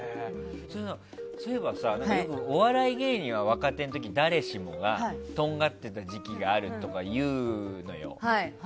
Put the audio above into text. そういえばさ、よくお笑い芸人は誰しもがとんがってた時期があるとかいうのよ。